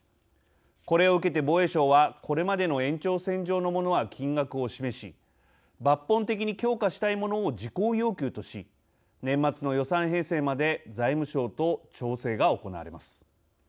これを受けて防衛省はこれまでの延長線上のものは金額を示し抜本的に強化したいものを事項要求とし年末の予算編成まで財務省と調整が行われます。